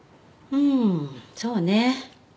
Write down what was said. うんそうね。